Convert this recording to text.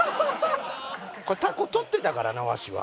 タコとってたからなわしは。